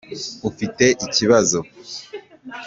ufite ikibazo